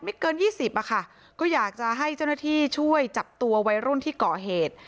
เกินยี่สิบอ่ะค่ะก็อยากจะให้เจ้าหน้าที่ช่วยจับตัววัยรุ่นที่ก่อเหตุ